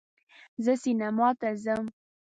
زه سینما ته ځم